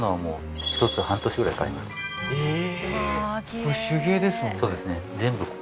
これ手芸ですもんね